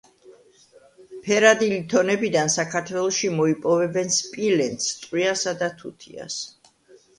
ფერადი ლითონებიდან საქართველოში მოიპოვებენ სპილენძს, ტყვიასა და თუთიას.